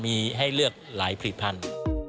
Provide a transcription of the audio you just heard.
มีให้เลือกหลายผลิตภัณฑ์